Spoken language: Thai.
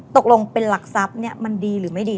ตกลงเป็นหลักทรัพย์มันดีหรือไม่ดี